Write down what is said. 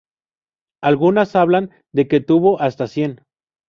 Algunas hablan de que tuvo hasta cien.